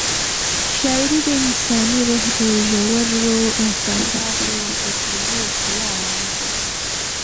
شاعري د انساني روح د ژورو احساساتو او تجربو ښکلا وړاندې کوي.